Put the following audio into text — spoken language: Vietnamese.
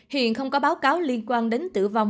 hiện không có báo cáo liên quan đến tử vong